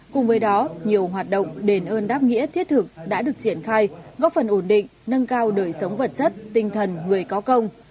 cùng với đó nhiều hoạt động đền ơn đáp nghĩa thiết thực đã được triển khai góp phần ổn định nâng cao đời sống vật chất tinh thần người có công